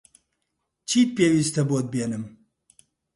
چیت پێویستە بۆت بێنم؟